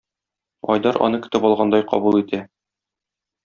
Айдар аны көтеп алгандай кабул итә.